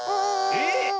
えっ